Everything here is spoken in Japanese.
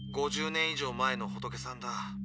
５０年以上前の仏さんだ。